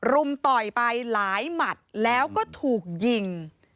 รุมต่อยไปหลายหมัดแล้วก็ถูกยิง